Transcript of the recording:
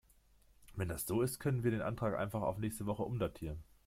Wenn das so ist, können wir den Antrag einfach auf nächste Woche umdatieren.